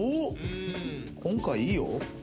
今回いいよ。